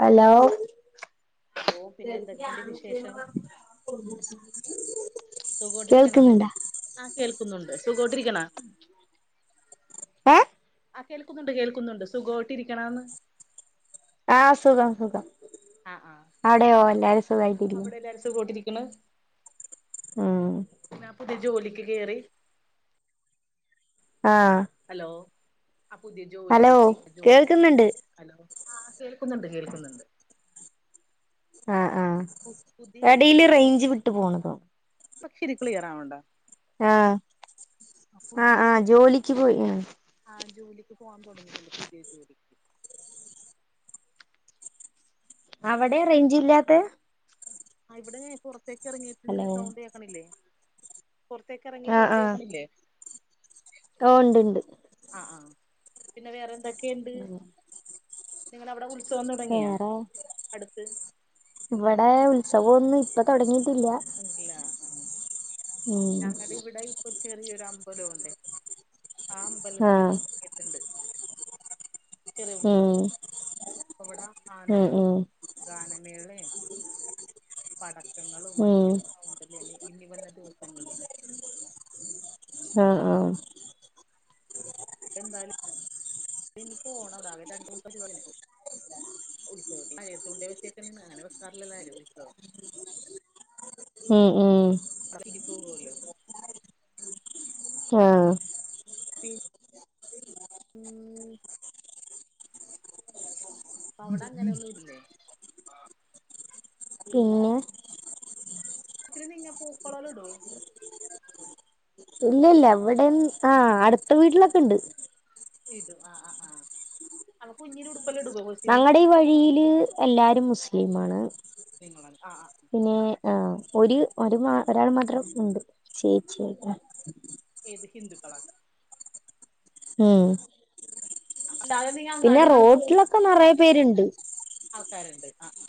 Hello [unintelligible] hello പിന്നെ എന്തൊക്കെയുണ്ട് വിശേഷം [unintelligible] സുഖവായിട്ടയിരിക്കണോ കേൾക്കുന്നുണ്ടാ ആഹ് കേൾക്കുന്നുണ്ട് സുഖവായിട്ടിരിക്കണൊ ഏയെ ആഹ് കേൾക്കുന്നുണ്ട് കേൾക്കുന്നുണ്ട് സുഖയിട്ട് ഇരിക്കണോന്ന് ആഹ് സുഖം സുഖം ആ ആ അവിടെയോ എല്ലാരും സുഖമായിട്ടിരിക്കു അവിടെ എല്ലാരും സുഖട്ടിരിക്കണ് ഉം ഞാൻ പുതിയ ജോലിക്ക് കേറി ആഹ് ഹലോ ആ പുതിയ ജോലി ഹലോ കിട്ടി ജോലിക്ക് കേറി കേൾക്കുന്നുണ്ട് ഹലോ ആഹ് കേൾക്കുന്നുണ്ട് കേൾക്കുന്നുണ്ട്. ആ ആഹ് പുതിയ ഇടയില് റേഞ്ച് വിട്ടു പോണതോ ഇപ്പച്ചിരി ക്ലിയർവണ്ടോ ആഹ് ആഹ് ആഹ് ജോലിക്ക് പോയി ആഹ് ജോലിക്ക് പോവാൻ തുടങ്ങിയിട്ടുണ്ട് പുതിയ ജോലി അവിടെ റേഞ്ച് ഇല്ലാത്ത ആഹ് ഇവിടെ ഞാന് പുറത്തേക്ക് ഇറങ്ങിയിട്ടുണ്ട് ഹലോ സൗണ്ട് കേക്കണില്ലേ? പുറത്തേക്കറങ്ങി ആഹ് സൗണ്ട് ആഹ് കേക്കണില്ലേ? ഓ ഉണ്ട് ഉണ്ട് ആഹ് പിന്നെ വേറെ എന്തൊക്കെണ്ട് നിങ്ങളവിടെ ഉത്സവം തുടങ്ങിയാ വേറെ അടുത്ത് ഇവിടെ ഉത്സവൊന്നും ഇപ്പൊ തുടങ്ങിട്ടില്ല. ഇല്ല ഉം ഞങ്ങടെ ഇവിടെ ഇപ്പൊ ചെറിയൊരു അമ്പലോണ്ട്. ആ അമ്പലത്തി ആഹ് തുടങ്ങിട്ടുണ്ട്. ചെറിയ ഉം ഉത്സവം അവിടെ ഉം ആനകളും ഉം ഗാനമേള പടക്കങ്ങളും ഉം ഭയങ്കര സൗ ഇനി വര്ന ദിവസങ്ങളിൽ ആഹ് ആഹ് എന്തായാലും നി പോണവിടെ ആകേ രണ്ടുവസ ഉത്സവഴത്തണ്ട വെച്ചേക്കെ അങ്ങനെ വെക്കാറില്ലല്ലാരും ഉത്സവം ആഹ് ആഹ് [unintelligible] വീട്ടിപോവോല്ലോ ആഹ് ഉം അപ്പൊ അവിടെ അങ്ങനെ ഒന്നും ഇല്ലേ? പിന്നെ ഇത്തിരി നിങ്ങ പൂക്കളല്ല ഇടോ? ഇല്ല ഇല്ല എവിടെ ആഹ് അടുത്ത വീട്ടിലൊക്കെ ഉണ്ട് ഇത് ആഹ് ആഹ് ആഹ് ആഹ് കുഞ്ഞടു പെ ഡുബോഗോ ഞങ്ങടെ ഈ വഴിയില് എല്ലാരും മുസ്ലിംമാണ് നിങ്ങളണ്ട് ആഹ് ആഹ് പിന്നെ ആ ഒരു ഒരു മാ ഒരാൾ മാത്രം ഉണ്ട് ചേച്ചിക്ക ഏത് ഹിന്ദുക്കളാണ് ഉം ലല്ലതി പിന്നെ റോട്ടിലൊക്കെ നിറയ പേര്ണ്ട് ആൾക്കാര്ണ്ട് ആഹ്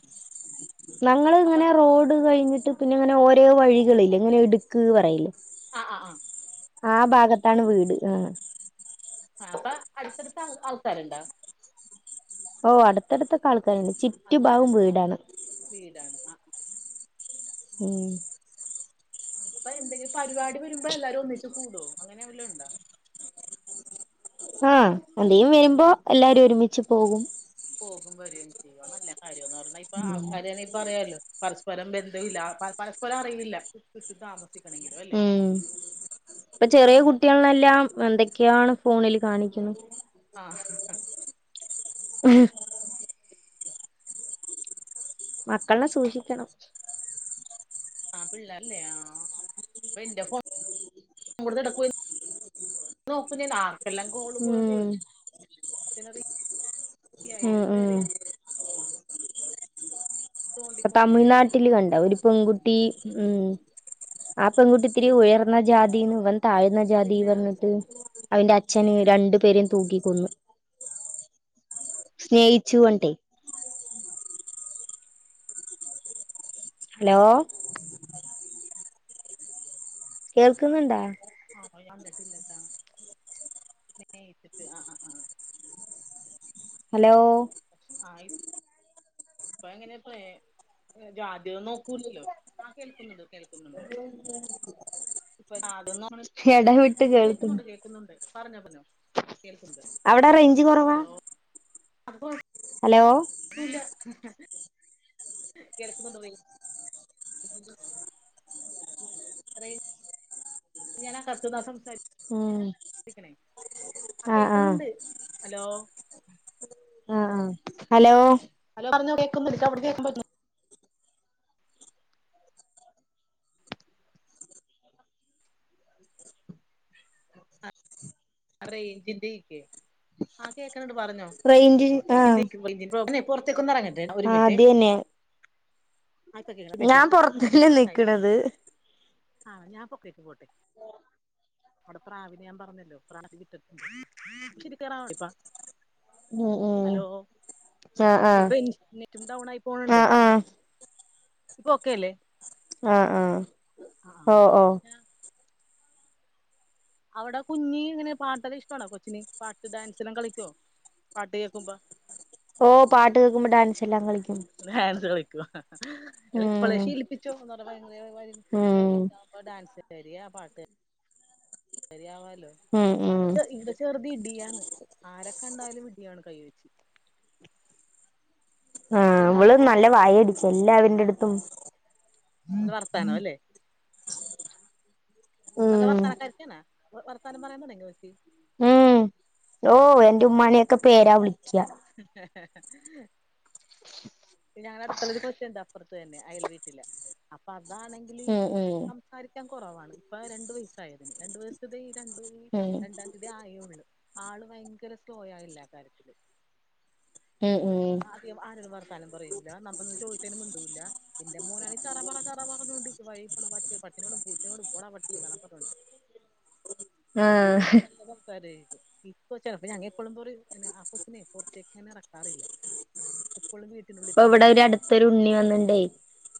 ഞങ്ങള് ഇങ്ങനെ റോഡ് കഴിഞ്ഞിട്ട് പിന്നെ ഇങ്ങനെ ഓരോ വഴികളില്ല ഇങ്ങനെ ഇട്ക്ക് പറയില്ലേ ആഹ് ആഹ് ആഹ് ആ ഭാഗത്താണ് വീട് ആ ആ അപ്പ അട്ത്തടുത്ത ആൾക്കാരുണ്ടോ ഓ അടുത്തടുത്ത ആൾക്കാര്ണ്ട് ചി ആൾക്കാര വീടാണ് ആ ഉം അപ്പൊ എന്തങ്കിലും പരിപാടി വരുമ്പോ എല്ലാരും ഒന്നിച്ച്കൂടോ അങ്ങനെല്ലും ഉണ്ടോ ആഹ് എന്തെങ്കി വരുമ്പോ എല്ലാരും ഒരുമിച്ച് പോകും പോകുമ്പോരും എ ചെയ്യോ നല്ല കാര്യംന്ന് പറഞ്ഞാൽ ഇപ്പ ആൾക്കാരന്നെ അ പറിയാലോ പരസ്പരം ബന്ധില്ല പരസ്പരം അറിയില്ല താമസ ണിക്ക ഉം ഇപ്പൊ ചെറിയ നമുക്ക് കുട്ടികൾനെല്ലാം എന്തൊക്കെയാണ് ഫോണിൽ കാണിക്ക്ന്ന ആഹ് ഉ മക്കളിനെ സൂക്ഷിക്കണം ആ പിള്ളല്ലേ ആ അ ഇന്റെ ഫോടുക്ക [unintelligible] നോക്കും ഞാൻ ആർക്കെല്ലാം ഗോള് പോയ ഉം [unintelligible] പി [unintelligible] നേ ഉം നേരെ ഉം [unintelligible] ഇപ്പ തോണ്ടിക്കൊണ്ടിരിക്കലായിരിക്കും തമിഴ്നാട്ടില് കണ്ട ഒരു പെൺകുട്ടി ഉം ആഹ് പെൺകുട്ടി ഇത്തിരി ഉയർന്ന ജാതിന്ന്വൻ താഴ്ന്ന ജാതി പിന്നെ പറ്ഞ്ഞിട്ട് അവന്റെ അച്ഛന് രണ്ടു പേരെയും തൂക്കിക്കൊന്നു സ്നേഹിച്ചു കൊണ്ടെയ് ഹലോ കേൾക്കുന്നുണ്ടാ ആഹ് പോയണ്ടിട്ടില്ലത്താ സ്നേട്ടിട്ട് ആഹ് ആഹ് ആഹ് ഹലോ ആയ് ഇപ്പ എങ്ങനെ പ്പെ ജാതിം നോക്കൂലല്ലോ. ആ കേൾക്കുന്നുണ്ട് കേൾക്കുന്നുണ്ട് [unintelligible] ഇപ്പ [unintelligible] എടവിട്ട് ആ കേക്കുന്നുണ്ട് കേക്കുന്നുണ്ട് പറഞ്ഞോ പറഞ്ഞോ കേൾക്ക്ണ്ട് അവിടെ റേഞ്ച് കുറവാ ഹലോ. അപ്പോ ഹലോ [unintelligible] കേൾക്കുന്നുണ്ടൊ വെയ് [unintelligible] പറയ് ഞാനാ [unintelligible] ഉം സംസാരിക്ക്ന്നെ ആ ആഹ് ആഹ് കേക്കുന്നുണ്ട് ഹലോ ആഹ് ആഹ് ഹലോ ഹലോ പറഞ്ഞ കേക്കുന്ന [unintelligible] [unintelligible] [unintelligible] റേയ്ഞ്ചിന്റെ ഇഷ്യുെ ആഹ് കേക്ക്ണ് ഇണ്ട് പറഞ്ഞോ റേഞ്ച് [unintelligible] ആഹ് [unintelligible] പൊറ്ത്ത്ക്കൊന്ന് എറങ്ങട്ടെ ഒരു ആഹ് മൻറ്റെ അത് തന്നെ ഞാൻ [unintelligible] പൊറത്തന്നെ നിക്കണത് ആ ഞാൻ പൊക്കക്ക് പോട്ടെ അടെ പ്രാവിനെ ഞാൻ പറഞ്ഞല്ലോ പ്രാവിനെ വിറ്റു [unintelligible] ഇപ്പ ഉം ഉം ഹലോ ആഹ് ചെല്പ്പ ആഹ് [unintelligible] നെറ്റും ഡൗൺ ആയി പോണ് ഇണ്ടേ. ആഹ് ആഹ് ഇപ്പോ ഓക്കേ അല്ലേ ആഹ് ആഹ് ഓഹ് ഓഹ് അവിടെ കുഞ്ഞി ഇങ്ങനെ പാട്ടേള് ഇഷ്ടാണോ കൊച്ചിന് പാട്ട് ഡാൻസ് എല്ലാം കളിക്കോ. പാട്ട് കേക്കുംമ്പ ഓ പാട്ട് കേക്കുമ്പോ ഡാൻസ് എല്ലാം കളിക്കും ഡാൻസ് കളിക്കോ അല്ല ഇപ്പളെ ഉം ശീലിപ്പിച്ചോ ഉം [unintelligible] ഇപ്പ ഡാൻസ് കേരിയ ആ പാട്ട് കാര്യാവാലോ ഉം ഉം ഇവിടെ ഇൻ ചെറുത് ഇടിയാണ്. ആരെ കണ്ടാലും ഇടിയാണ് കൈ വെച്ച്. ആഹ് എനിക്ക് ഇവള് നല്ല എനിക്ക് വായ ഇടിച്ച എല്ലാ വര്ന്റെ അടുത്തും. നല്ല വർത്താനം അല്ലേ. നല്ല ഉം വർത്താനക്കാര്ത്തിയാണ്. വർത്താനം പറയാൻ [unintelligible] [unintelligible] ഉം ഓ ആഹ് എന്റെ ഉമ്മാന്യാെക്കെ പേരാ വിളിക്ക പിന്നെ ഞങ്ങള്ടെ അടുത്തുള്ളൊരു കൊച്ചുണ്ട് അപ്പറ്ത്തെന്നെ അയൽ വീട്ടില് അപ്പൊ അതാണെങ്കില് ഉം ഉം സംസാരി ക്കാൻ കുറവാണ് ഇപ്പ രണ്ടു വയസായതിന് രണ്ടു വയസത് ഈ രണ്ട് ഉം രണ്ട ഇതായുള്ളൂ ആള് ഭയങ്കര സ്ലോയാ എല്ലാ കാര്യത്തിലും ഉം ഉം ആ- ആരോടും വർത്താനം പറയൂല്ല നമ്മളൊന്ന് ചോദിച്ചതിന് മിണ്ടൂല്ല ഇന്റെ മോനാണെങ്കി ചറ പറ ചറ പറഞ്ഞോണ്ടിരിക്കും വഴി പോന്ന പട്ടി പട്ടിനോടും പൂച്ചനോടും പോടാ പട്ടി പറഞ്ഞോണ്ട് ആഹ് [unintelligible] ഇപ്പോ ചെലപ്പോ ഞങ്ങെ എപ്പോളും പറയും ഇങ്ങനെ ആ കൊച്ചിനെ പുറത്തേക്ക ഇങ്ങനെ അറക്കാറില്ല എപ്പോളും വീട്ടിലുനുള്ളി ഇപ്പോ ഇവിടെ ഒര് അടുത്തൊരു ഉണ്ണി വന്നിണ്ടേ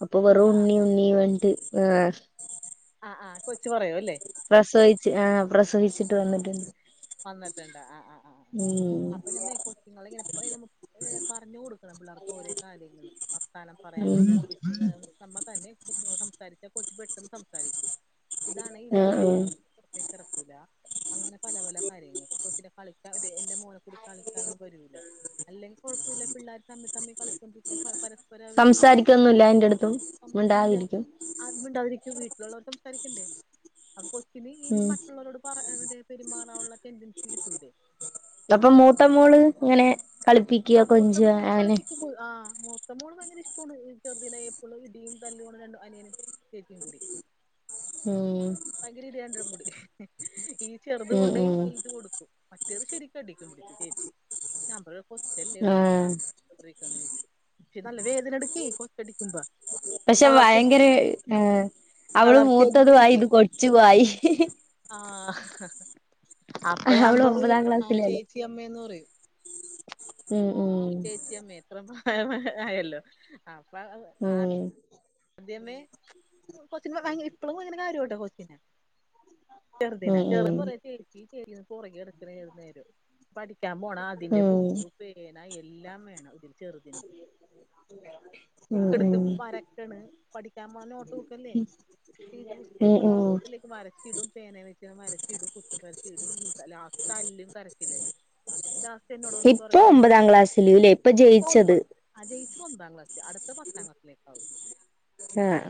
അപ്പൊ കുഞ്ഞ് വെറും ആ ഉണ്ണി ഉണ്ണി പറഞ്ഞിട്ട് ആഹ് ആഹ് കൊച്ചു പറയൂം അല്ലേ പ്രസവിച്ച് ആഹ് പ്രസവിച്ചിട്ട് വന്നിട്ടുണ്ട് വന്നിട്ടുണ്ട് ആഹ് ആഹ് ആഹ് ആഹ് ഉം അപ്പൊ ഞമ്മെ ഇങ്ങളെങ്ങനെ എപ്പെ നമ്മ പറഞ്ഞു കൊടുക്കണം പിള്ളേർക്ക് ഓരേ കാര്യങ്ങള് വത്താനം പറയാൻ ഉം വേണ്ടി ആഹ് ചേച്ചീനെ അങ്ങനൊ അമ്മ തന്നെ കൊച്ച്നോട് സംസാരിച്ചാ കൊച്ചു പെട്ടെന്ന് സംസാരിക്കും ഇതാണ് ആഹ് ഇവരാണ് ആഹ് പുറത്തേക്കറക്കൂല അങ്ങനെ പല പല കാര്യങ്ങൾ കൊച്ചിനെ കളിക്കാൻ എന്റെ മോനെക്കൂടി കളിക്കാനൊന്നും വരൂല്ല അല്ലെങ്കിൽ കുഴപ്പമില്ല പിള്ളേർ തമ്മി തമ്മി കളിച്ചുകൊണ്ടിരിക്കു പര സംസാരിക്കൊന്നുല്ല ഇൻ്റെ എടുത്തും മിണ്ടാതിരിക്കും അത് മിണ്ടാതിരിക്കും വീട്ടിലുള്ളവർ സംസാരിക്കണ്ടേ അപ്പം കൊച്ചിന് ഈ ഉം മറ്റുള്ളവരോട് പറ മറ്റേ പെരുമാറാനുള്ളെ ടെൻഡൻൻസി കിട്ടൂല്ലേ അപ്പൊ മൂത്ത മോള് ഇങ്ങനെ കളിപ്പിക്ക കൊഞ്ച അങ്ങനെ ആഹ് മോത്തമോൾ ഭയങ്കര ഇഷ്ടമാണ് ചെറുതിന എപ്പോഴും ഇടിയും തല്ലും ആണ് രണ്ടും അനിയനും ചെച്ചിം കൂടി ഉം ഭയങ്കര ഇടിയാണ് രണ്ടാളും കൂടി ഈ ചെറുത് ഉം കൊണ്ടോയി ഉം വലുതു കൊടുക്കും മറ്റേത് ശെരിക്കും അടിക്കും പിടിച്ചു ചേച്ചി ഞാൻ പറയും കൊച്ചല്ലേ എടോ എന്തിനാ ആഹ് പക്ഷേ നല്ല വേദന എടുക്കേ കൊത്തടിക്കുമ്പ പക്ഷെ ഭയങ്കര ഏ അവള് തളർത്തി മൂത്തതുമായി ഇത് കൊച്ചുവായി ആഹ് അപ്പ ഞാൻ അവള് പറിം ഒമ്പതാം ആ ക്ലാസ്സിലല്ലേ ചേച്ചി അമ്മേന്ന് പറയും ഉം ഉം [unintelligible] ഉം ആദ്യമേ കൊച്ചി ഭ ഇപ്പോഴും ഭയങ്കര കാര്യണ് ട്ടോ കൊച്ചിനെ ചെറുതിന ഉം പുറകെ നടക്കാണ് ഏത് നേരവും പഠിക്കാൻ പോകുന്ന ഉം അതിന്റെ ഉം ബുക്ക് പേന എല്ലാം വേണം ഇതിന് ഉം ബുക്ക് ഉം എടുത്ത് വരക്കണ് പഠിക്കാൻ പോകുന്ന നോട്ട്ബുക്ക്‌ അല്ലേ സ്കൂളിൽ ഉം ഉം കൊണ്ട് പോകാൻ ഉള്ള ഉം ബുക്ക്‌ അല്ലേ വരച്ചിടും പേന വെച്ച് വരച്ചിടും ബുക്ക്‌ പരത്തിടും പിന്നെ തല്ലും തരക്കില്ലായി [inaudible] ഇപ്പൊ ഒമ്പതാം ക്ലാസ്സിൽ അല്ലേ ഇപ്പൊ ജയിച്ചത് ആഹ് ജയിച്ചത് ഒമ്പതാം ക്ലാസ്സിൽ അടുത്തത് പത്താം ക്ലാസ്സിലേക്ക് ആവും ആഹ്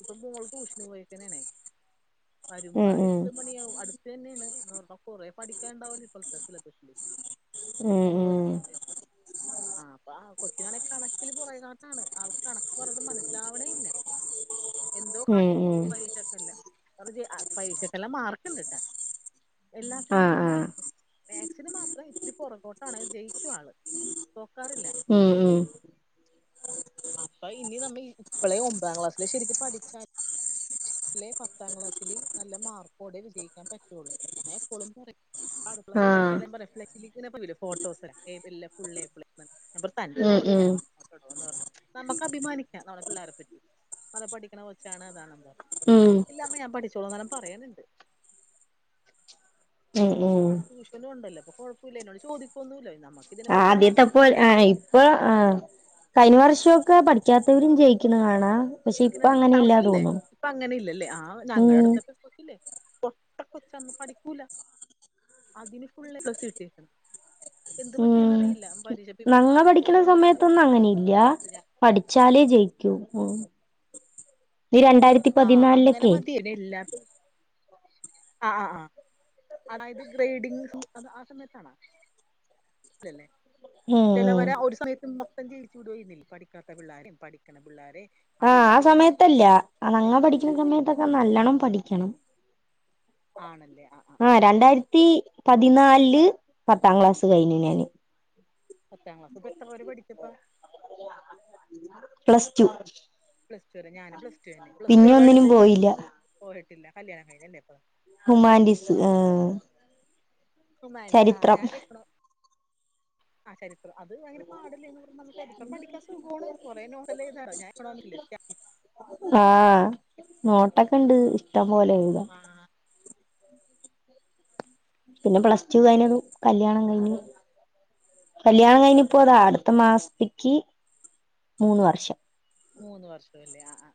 ഇപ്പൊ മോൾ ട്യൂഷൻ പോയിക്കാണെന്നെ ആണ് ഉം വരുമ്പോ ഉം എട്ട് മണി ആവും അടുത്ത് തന്നെ ആണ് കൊറെ പഠിക്കാൻ ഉണ്ടാവല്ലോ ഇപ്പോഴത്തെ പിള്ളേർക്ക് ഉം ഒമ്പതിൽ ഉം അല്ലേ ആഹ് കൊച്ചിനാണെകിൽ കണക്കിൽ പുറകോട്ട് ആണ് അവൾക്ക് കണക്ക് അങ്ങട്ട് മനസ്സി ലാവിണില്ല എന്തോ ഉം കാട്ടി ഉം ക്കൂട്ടും പരീ ക്ഷക്കെല്ലാം പരീക്ഷക്കെല്ലാം മാർക്ക് ഉണ്ട് ട്ടാ എല്ലാത്തിനും ആഹ് നല്ല ആഹ് മാർക്ക് ണ്ട് മാക്സിന് മാത്രം ഇത്തിരി പുറകോട്ട് ആണ് ജയിക്കും ആൾ തോക്കാറില്ല ഉം ഉം അപ്പൊ ഇനി നമ്മ ഇപ്പോളേ ഒമ്പതാം ക്ലാസ്സിലെ ശെരിക്കും പഠിച്ചാ ലെ പത്താം ക്ലാസ്സില് നല്ല മാർക്കോടെ വിജയിക്കാൻ പറ്റുള്ളു ഞാൻ എപ്പോഴും പറയും ആഹ് ഫ്ളക്സ് ൽ ഇങ്ങനെ വരൂലേ ഫോട്ടോസ് എല്ലാം ഫുള്ള് എ പ്ലസ് അന്റെ ഉം ഫോട്ടോ ഉം ഇങ്ങനെ വരണം ട്ടോ എന്ന് പറയും നമ്മുക്ക് അഭിമാനിക്കാം നമ്മളെ പിള്ളേരെെ പറ്റി നല്ല പഠിക്കണ കൊച്ചാണ് അതാണ് എന്ന് പറഞ്ഞു ഉം ഇല്ല അമ്മ ഞാൻ പഠിച്ചോളോന്നാരം പറയുനുണ്ട് ഉം ഉം ട്യൂഷൻ പോകുന്നുണ്ടല്ലോ അപ്പൊ കുഴപ്പമില്ല എന്നോട് ചോദിക്കൊന്നും ഇല്ല എഴുതാൻ ഒന്നും ആ ആദ്യത്തെപ്പോ അറിയില്ല ഇപ്പ ആ കഴിഞ്ഞ വർഷം പഠിക്കാത്തവരും ജയിക്കുന്ന കാണാ പക്ഷെ ഇപ്പൊ ജയിക്കുന്നുണ്ട് പത്താം അങ്ങനെയല്ലാ ക്ലസ്സിലല്ലേ തോന്നുന്നു ഇപ്പൊ അങ്ങനെ ഇല്ലല്ലേ ആ ഞങ്ങളുടെ ഉം അടുത്തപ്പ ഇപ്പോക്കില്ലേ പൊട്ടാ കൊച്ചാണ് പഠിക്കൂല അതിന് ഫുള്ള് എ പ്ലസ് കിട്ടീക്കന് ഉം പേപ്പർ ഞങ്ങൾ പഠിക്കണ മാറിപ്പോയാണ് എന്താന്ന് സമയത്തൊന്നും അങ്ങനെ ഇല്ല ഞാൻ പഠി ച്ചാലേ ജയിക്കൂ നീ രണ്ടായിരത്തി ആഹ അങ്ങനെ പതിനാലിലൊക്കെ മതി ഇനി എല്ലാർക്കും ആ ആ ആ് അതായത് ഗ്രേഡിങ് അ ആ സമയത്താണോ അല്ലല്ലേ ഉം ഉം ചിലവരെ ഒരു സമയത്തും മൊത്തം ജയിച്ചു വിടെന്നു പഠിക്കാത്ത പിള്ളോരെ പഠിക്കണ പിള്ളോര ആഹ ആ സമയത്തല്ല ഞങ്ങൾ അല്ല പഠിക്കുന്ന ആ സമയത്തൊക്കെ നല്ലോണം പഠിക്കണം ആണല്ലേ ആ ആ രണ്ടായിരത്തി പതിനാലില് പത്താം ക്ലാസ്സ് കഴിഞ്ഞു ഞാന് പത്താം ക്ലാസ്സി ഇപ്പ എത്ര വരെ പഠിച്ചിപ്പാ പ്ലസ് ടു പ്ലസ് ടു വരെ ഞാനും പ്ലസ് ടു അന്നെ പ്ലസ് ടു പിന്നെ ഏതാ ഒന്നിനും എടുത്തെ പോയില്ല പോയിട്ടില്ല കല്യാണം കഴിഞ്ഞല്ലേപ്പൊ ഹുമാൻ്റീസ് ആഹ ഹുമാൻസ് ആഹാ ഞാൻ എക്കണോ- ചരിത്രം [unintelligible] ചരിത്രംപഠിക്കാൻ സുഖാണ് കുറേ നോട്ടെല്ലാം എഴുതാ [unintelligible] ആഹ് നോട്ടൊക്കെ ഇണ്ട് ഇഷ്ടം പോലെ എഴുതാൻ ആഹ് പിന്നെ പ്ലസ് ടു കയിഞ്ഞത് കല്യാണം കയിഞ്ഞു കല്യാണം കഴിഞ്ഞിപ്പോ അതാ അടുത്ത മാസത്തേക്ക് മൂന്ന് വർഷം മൂന്നു വർഷം അല്ലേ ആഹ ആഹ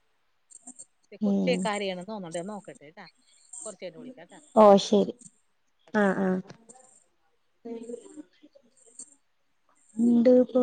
ഈ കൊച്ചേ ഉം കരയണോതോന്നണ്ടേ നോക്കട്ടെട്ടാ ഓ ശെരി ആഹ ആഹ ഇണ്ട് പ്പോ